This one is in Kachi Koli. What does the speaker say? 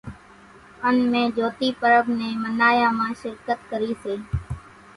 ان مين جھوتي پرٻ نين منايا مان شرڪت ڪري سي